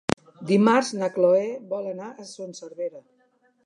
Dimarts na Cloè vol anar a Son Servera.